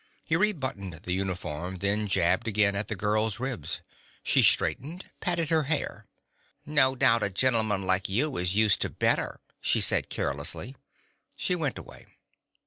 He rebuttoned the uniform, then jabbed again at the girl's ribs. She straightened, patted her hair. "No doubt a gentleman like you is used to better," she said carelessly. She went away.